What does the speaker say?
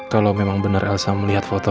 kalo memang bener elsa melihat foto roy